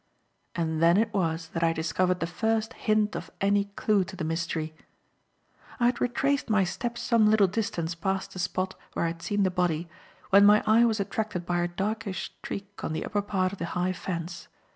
And then it was that I discovered the first hint of any clue to the mystery. I had retraced my steps some little distance past the spot where I had seen the body, when my eye was attracted by a darkish streak on the upper part of the high fence.